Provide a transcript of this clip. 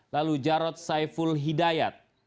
lalu jarod saiful hidayat